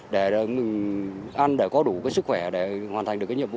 để mình ăn để có đủ cái sức khỏe để hoàn thành được cái nhiệm vụ